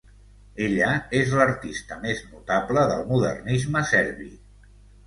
Ella és l'artista més notable del modernisme serbi.